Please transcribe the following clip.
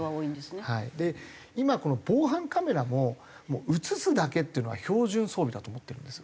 今防犯カメラも映すだけっていうのは標準装備だと思ってるんです。